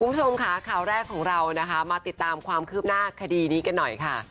คุณผู้ชมค่ะข่าวแรกของเรานะคะมาติดตามความคืบหน้าคดีนี้กันหน่อยค่ะ